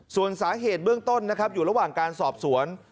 ส่วนสาเหตุเบื้องต้นนะครับอยู่ระหว่างการสอบสวน